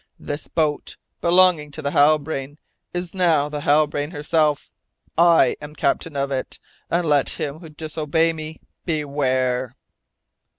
This boat, belonging to the Halbrane, is now the Halbrane herself! I am the captain of it, and let him who disobeys me, beware!"